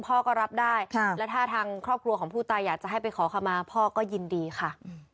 พ่อก็รับได้และถ้าทางครอบครัวของผู้ตายอยากจะให้ไปขอขมาพ่อก็ยินดีค่ะ